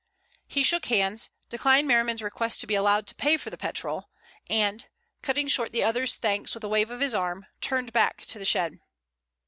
He shook hands, declined Merriman's request to be allowed to pay for the petrol and, cutting short the other's thanks with a wave of his arm, turned back to the shed.